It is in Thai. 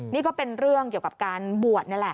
นี่ก็เป็นเรื่องเกี่ยวกับการบวชนี่แหละ